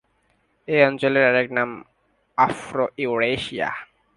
এ অঞ্চলের আরেক নাম আফ্রো-ইউরেশিয়া।